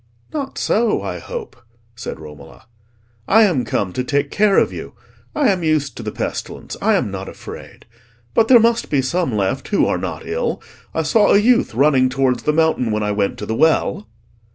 "Not so, I hope," said Romola. "I am come to take care of you. I am used to the pestilence; I am not afraid. But there must be some left who are not ill. I saw a youth running towards the mountain when I went to the well."